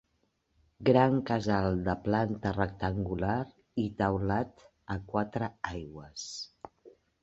Gran casal de planta rectangular i teulat a quatre aigües.